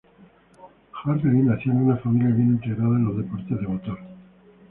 Hartley nació en una familia bien integrada en los deportes de motor.